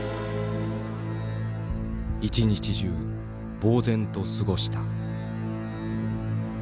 一日中ぼう然と過ごした。